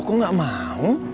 loh kok gak mau